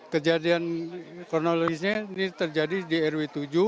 kejadian kronologisnya ini terjadi di rw tujuh